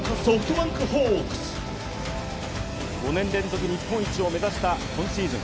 ５年連続日本一を目指した今シーズン。